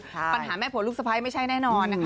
ปัญหาแม่ผัวลูกสะพ้ายไม่ใช่แน่นอนนะคะ